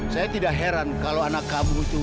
saya tidak heran kalau anak kabu itu